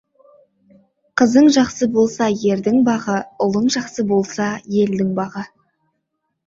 Қызың жақсы болса, ердің бағы, ұлың жақсы болса, елдің бағы.